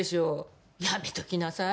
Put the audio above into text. やめときなさい。